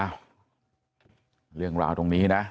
เรื่องราวตรงนี้นะ